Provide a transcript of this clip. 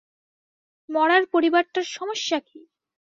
মরার পরিবারটার সমস্যা কী?